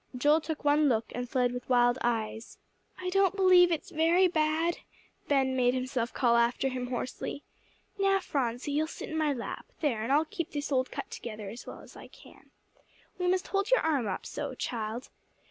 Joel took one look, and fled with wild eyes. "I don't believe it's very bad," Ben made himself call after him hoarsely. "Now, Phronsie, you'll sit in my lap there; and I'll keep this old cut together as well as I can. We must hold your arm up, so, child."